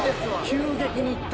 急激にいったね。